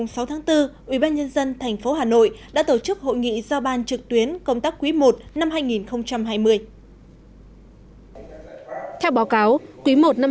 sáng nay ngày sáu tháng bốn ubnd tp hà nội đã tổ chức hội nghị do ban trực tuyến công tác quý i năm hai nghìn hai mươi